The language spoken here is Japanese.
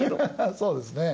そうですね。